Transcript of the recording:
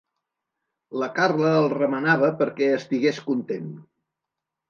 La Carla el remenava perquè estigués content.